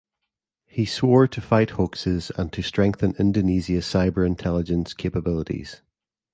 He swore to fight hoaxes and to strengthen Indonesia cyber intelligence capabilities.